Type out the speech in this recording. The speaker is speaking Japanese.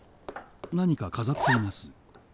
何か飾っています。